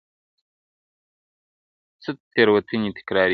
خو تېروتني تکرارېږي,